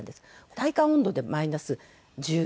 体感温度でマイナス１７度。